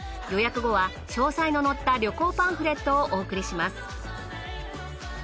予約後は詳細の載った旅行パンフレットをお送りします。